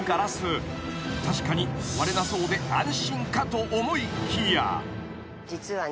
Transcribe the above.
［確かに割れなそうで安心かと思いきや］